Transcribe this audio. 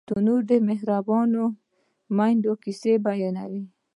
تنور د مهربانو میندو کیسې بیانوي